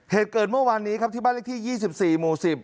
เหตุเกิดเมื่อวานนี้ครับที่บ้านเลขที่ยี่สิบสี่หมู่สิบ